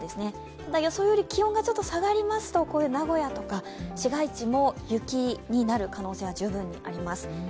ただ、予想より気温がちょっと下がりますと名古屋とか市街地も雪になる可能性は十分にあります。